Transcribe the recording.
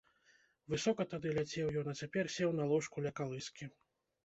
Высока тады ляцеў ён, а цяпер сеў на ложку ля калыскі.